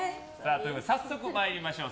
早速参りましょう。